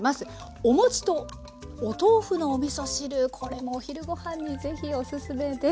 お餅とお豆腐のおみそ汁これもお昼ご飯にぜひおすすめです。